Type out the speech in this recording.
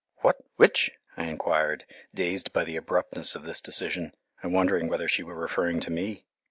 "What? Which?" I enquired, dazed by the abruptness of this decision, and wondering whether she were referring to me.